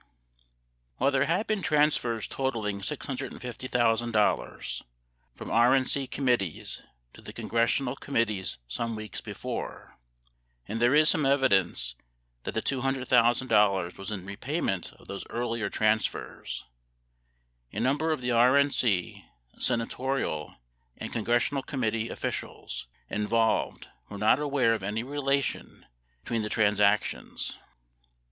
While there had been transfers totaling $650,000 from RNC com mittees to the congressional committees some weeks before, and there is some evidence that the $200,000 was in repayment of those earlier transfers, a number of the RNC, senatorial, and congressional commit tee officials involved were not aware of any relation between the trans actions.